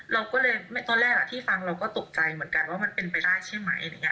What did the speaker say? เราก็เลยตอนแรกที่ฟังเราก็ตกใจเหมือนกันว่ามันเป็นไปได้ใช่ไหม